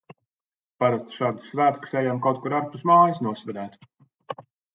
Parasti šādus svētkus ejam kaut kur ārpus mājas nosvinēt.